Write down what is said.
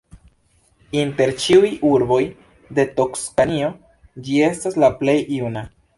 Inter ĉiuj urboj de Toskanio ĝi estas la plej juna.